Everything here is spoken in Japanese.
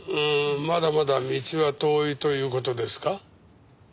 まだまだ道は遠いという事ですか。